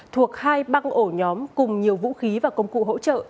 thuộc hai băng ổ nhóm cùng nhiều vũ khí và công cụ hỗ trợ